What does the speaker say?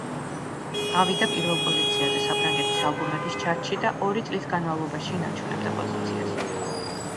ავიდა პირველ პოზიციაზე საფრანგეთის ალბომების ჩარტში და ორი წლის განმავლობაში ინარჩუნებდა პოზიციას.